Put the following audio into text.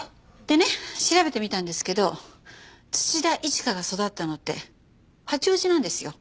でね調べてみたんですけど土田一花が育ったのって八王子なんですよ。